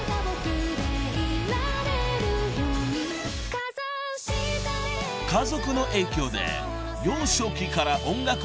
［家族の影響で幼少期から音楽に魅了され］